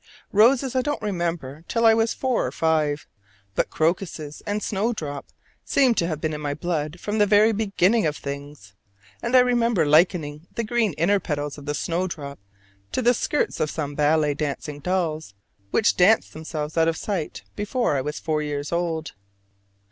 Roses I don't remember till I was four or five; but crocus and snowdrop seem to have been in my blood from the very beginning of things; and I remember likening the green inner petals of the snowdrop to the skirts of some ballet dancing dolls, which danced themselves out of sight before I was four years old.